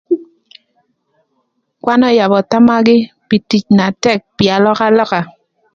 Kwan öyabö thamagï pï tic na tëk pï alökalöka.